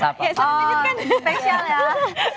soal mungkin temen temen kan tadi bilang